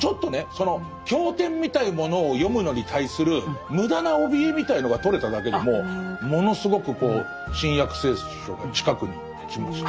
その教典みたいなものを読むのに対する無駄なおびえみたいなのが取れただけでもものすごく「新約聖書」が近くに来ました。